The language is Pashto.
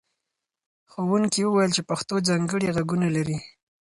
ښوونکي وویل چې پښتو ځانګړي غږونه لري.